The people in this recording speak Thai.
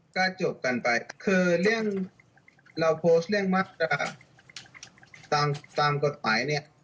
ก็จบกันไปคือเรื่องเราโพสต์เรื่องมาตรการตามกฎหมายเนี่ย